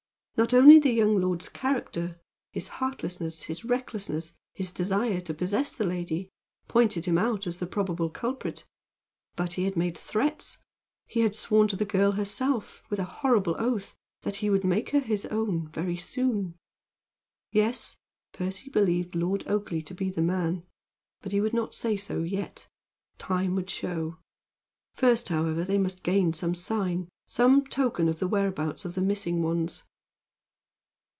Not only the young lord's character his heartlessness, his recklessness, and his desire to possess the lady pointed him out as the probable culprit; but he had made threats he had sworn to the girl herself, with a horrible oath that he would make her his own very soon. Yes. Percy believed Lord Oakleigh to be the man; but he would not say so yet. Time should show. First, however, they must gain some sign some token of the whereabouts of the missing ones.